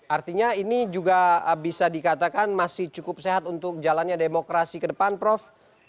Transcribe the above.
artinya ini juga bisa dikatakan masih cukup sehat untuk jalannya demokrasi ke depan prof